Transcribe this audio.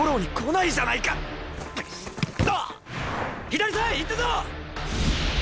左サイ行ったぞ！